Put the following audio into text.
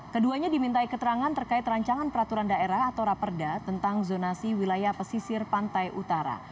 keduanya dimintai keterangan terkait rancangan peraturan daerah atau raperda tentang zonasi wilayah pesisir pantai utara